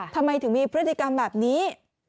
ทำไมถึงมีพฤติกรรมแบบนี้